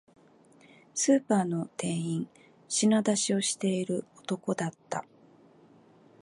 スーパーの店員、品出しをしている男だった